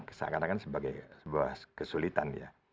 saya akan katakan sebagai sebuah kesulitan ya